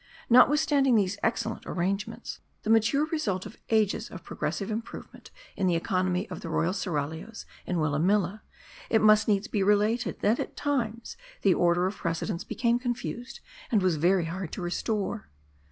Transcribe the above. Notwithstanding these' excellent arrangements, the mature result of ages of progressive improvement in the economy of the royal seraglios in Willamilla, it must needs be related, that at times the order of precedence became confused, and was very hard to restore.